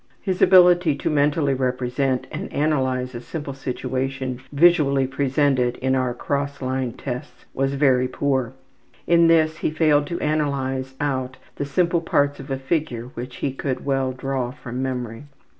His ability to mentally represent and analyze a simple situation visually presented in our ``Cross Line Tests'' was very poor. In this he failed to analyze out the simple parts of a figure which he could well draw from memory.